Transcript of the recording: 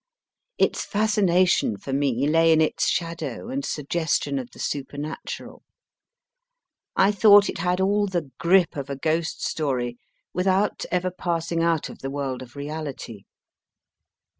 Its fascination for me lay in its shadow and suggestion of the supernatural. I thought it had all without ever ghost story the grip of a passing out of the world reality.